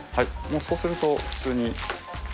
そうすると普通に。